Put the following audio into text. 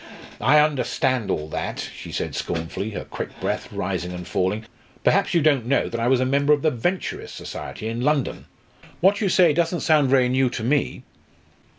"I understand all that," she said scornfully, her quick breath rising and falling. "Perhaps you don't know that I was a member of the Venturist Society in London? What you say doesn't sound very new to me!"